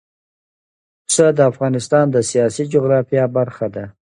پسه د افغانستان د سیاسي جغرافیه برخه ده.